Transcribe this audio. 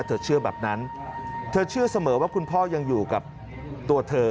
เชื่อแบบนั้นเธอเชื่อเสมอว่าคุณพ่อยังอยู่กับตัวเธอ